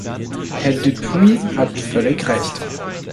Herr Dupuis hat völlig Recht.